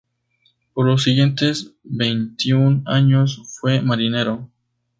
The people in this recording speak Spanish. Por los siguientes veintiún años, fue marinero.